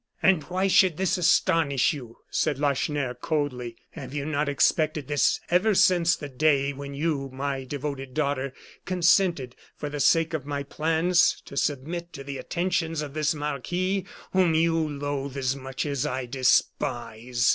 "And why should this astonish you?" said Lacheneur, coldly. "Have you not expected this ever since the day when you, my devoted daughter, consented, for the sake of my plans, to submit to the attentions of this marquis, whom you loathe as much as I despise?"